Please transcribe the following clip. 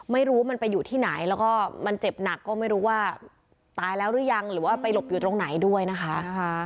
ไม่รู้ว่ามันไปอยู่ที่ไหนแล้วก็มันเจ็บหนักก็ไม่รู้ว่าตายแล้วหรือยังหรือว่าไปหลบอยู่ตรงไหนด้วยนะคะ